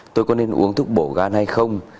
tôi có nên uống thức bổ gan hay không